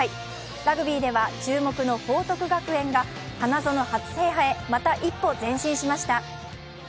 ラグビーでは注目の報徳学園が花園初制覇へまた一歩前進しました。